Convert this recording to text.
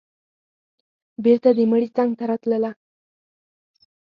بېرته د مړي څنگ ته راتله.